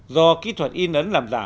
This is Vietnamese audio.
do kỹ thuật in ấn làm giả